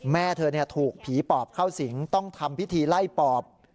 แม่เธอถูกผีปอบเข้าสิงต้องทำพิธีไล่ปอบ